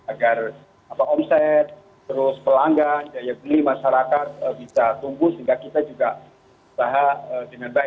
agar omset terus pelanggan daya beli masyarakat bisa tumbuh sehingga kita juga usaha dengan baik